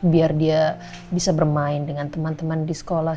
biar dia bisa bermain dengan teman teman di sekolah